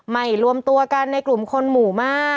รวมตัวกันในกลุ่มคนหมู่มาก